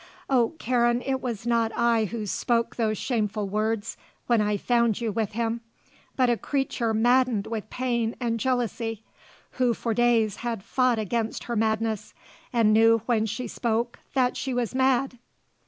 Oh, Karen, it was not I who spoke those shameful words, when I found you with him, but a creature maddened with pain and jealousy, who for days had fought against her madness and knew when she spoke that she was mad.